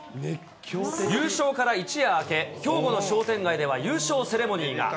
優勝から一夜明け、兵庫の商店街では、優勝セレモニーが。